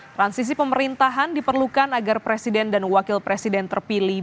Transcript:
transisi pemerintahan diperlukan agar presiden dan wakil presiden terpilih